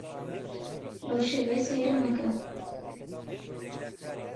بەو شێوەیە سەیرم مەکە.